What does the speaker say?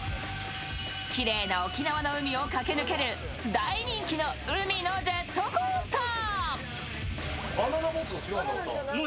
きれいな沖縄の海を駆け抜ける、大人気の海のジェットコースター。